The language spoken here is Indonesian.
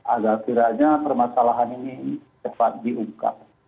agar kiranya permasalahan ini cepat diungkap